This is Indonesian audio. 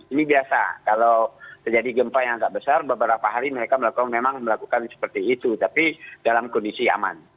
ini biasa kalau terjadi gempa yang agak besar beberapa hari mereka memang melakukan seperti itu tapi dalam kondisi aman